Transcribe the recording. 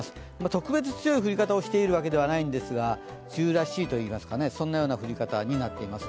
特別強い降り方をしているわけではないんですが、梅雨らしいという降り方になっています。